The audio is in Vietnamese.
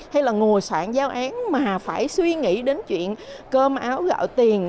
hay là ngồi soạn giáo án mà phải suy nghĩ đến chuyện cơm áo gạo tiền